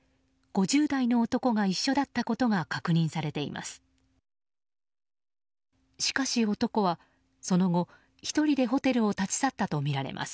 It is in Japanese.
５０代の男が一緒だったことが確認されています。